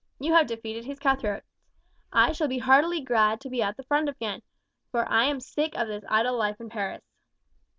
You have defeated his cutthroats; I shall be heartily glad to be at the front again, for I am sick of this idle life in Paris."